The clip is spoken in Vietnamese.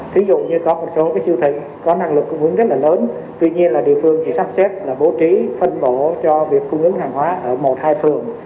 tuy nhiên là địa phương chỉ sắp xếp là bố trí phân bổ cho việc cung ứng hàng hóa ở một hai thường